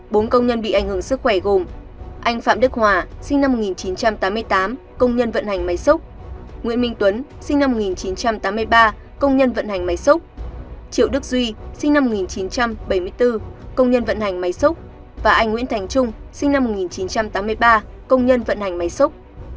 bốn công nhân bị ảnh hưởng sức khỏe gồm anh phạm đức hòa sinh năm một nghìn chín trăm tám mươi tám công nhân vận hành máy xúc nguyễn minh tuấn sinh năm một nghìn chín trăm tám mươi ba công nhân vận hành máy xúc triệu đức duy sinh năm một nghìn chín trăm bảy mươi bốn công nhân vận hành máy xúc và anh nguyễn thành trung sinh năm một nghìn chín trăm tám mươi ba công nhân vận hành máy xúc